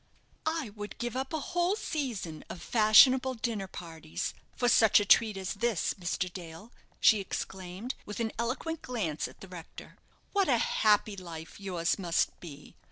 "I would give up a whole season of fashionable dinner parties for such a treat as this, Mr. Dale," she exclaimed, with an eloquent glance at the rector. "What a happy life yours must be!